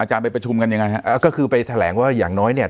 ไปประชุมกันยังไงฮะก็คือไปแถลงว่าอย่างน้อยเนี่ย